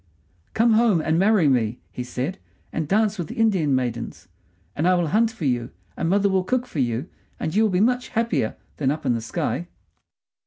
"Come home and marry me," he said, "and dance with the Indian maidens; and I will hunt for you, and my mother will cook for you, and you will be much happier than up in the sky."